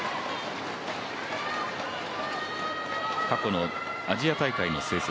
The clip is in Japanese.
過去のアジア大会の成績。